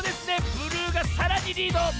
ブルーがさらにリード。